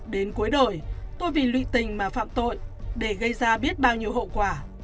đến cuối đổi tôi vì lụy tình mà phạm tội để gây ra biết bao nhiêu hậu quả